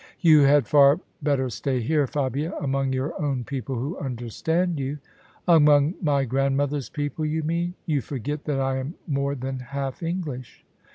" You had far better stay here, Fabia — among your own people who understand you." " Among my grandmother's people, you mean : you forget that I am more than half English."